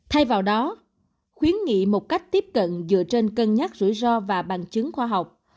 thay vào đó khuyến nghị một cách tiếp cận dựa trên cân nhắc rủi ro và bằng chứng khoa học